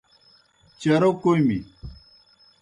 چارو کوْمیْ۔